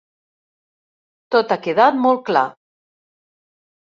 Tot ha quedat molt clar.